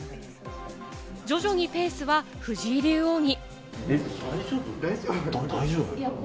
徐々にペースは藤井竜王に。